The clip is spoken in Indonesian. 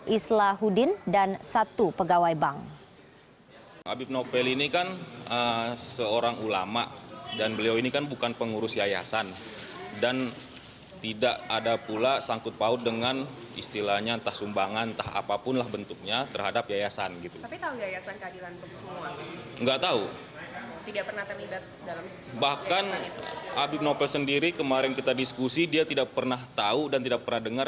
islahudin dan satu pegawai bank